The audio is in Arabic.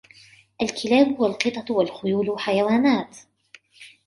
الكلاب والقطط والخيول حيوانات.